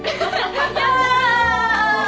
やったー！